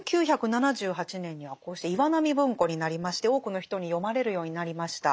で１９７８年にはこうして岩波文庫になりまして多くの人に読まれるようになりました。